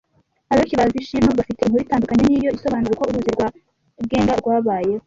Abayoboke ba Vishinu bafite inkuru itandukanye n’iyo isobanura uko uruzi rwa Gange rwabayeho